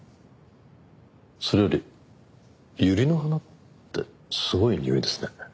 それよりユリの花ってすごいにおいですね。